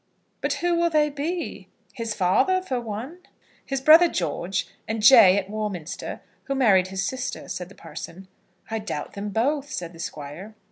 "But who will they be, his father for one?" "His brother George, and Jay, at Warminster, who married his sister," said the parson. "I doubt them both," said the Squire.